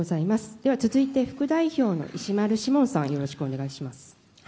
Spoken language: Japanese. では、続いて副代表の石丸志門さん、お願いします。